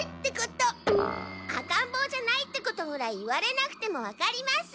赤んぼうじゃないってことぐらい言われなくてもわかります！